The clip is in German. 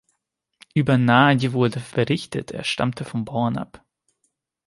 Über Nagy wurde berichtet, er stamme von Bauern ab.